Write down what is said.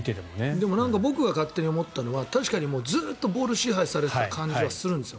でも僕が勝手に思ったのはずっとボールを支配されていた感じはするんですよ。